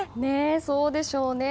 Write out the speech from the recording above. そうでしょうね。